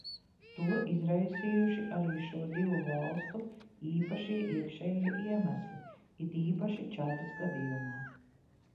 To izraisījuši arī šo divu valstu īpašie iekšējie iemesli, it īpaši Čadas gadījumā.